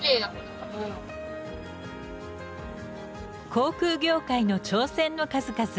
航空業界の挑戦の数々。